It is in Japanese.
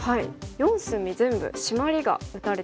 ４隅全部シマリが打たれてますね。